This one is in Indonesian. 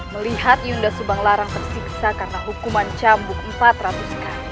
melihat yunda subanglarang tersiksa karena hukuman cambuk empat ratus kali